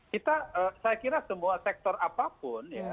kita saya kira semua sektor apapun ya